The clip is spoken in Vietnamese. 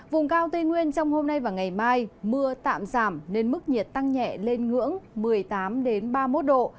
vùng cao tây nguyên trong hôm nay và ngày mai mưa tạm giảm nên mức nhiệt tăng nhẹ lên ngưỡng một mươi tám ba mươi một độ